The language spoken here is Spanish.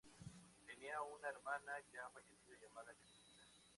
Tenía una hermana, ya fallecida, llamada Cristina.